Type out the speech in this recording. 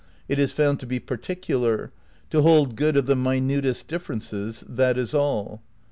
It is found to be par ticular, to hold good of the minutest differences, that is all.